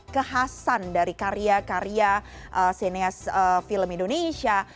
kekhasan dari karya karya sineas film indonesia